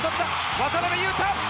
渡邊雄太。